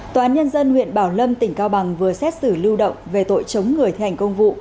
tòa án nhân dân huyện bảo lâm tỉnh cao bằng vừa xét xử lưu động về tội chống người thi hành công vụ